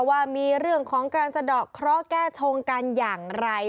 ว่ามีเรื่องของการสะดอกเคราะห์แก้ชงกันอย่างไร